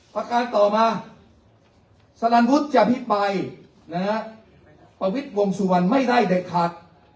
ประการต่อมาสลันวุฒิจะอภิปรายนะฮะประวิทย์วงสุวรรณไม่ได้เด็ดขาด